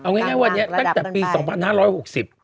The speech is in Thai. เอาง่ายวันนี้ตั้งแต่ปี๒๑๖๐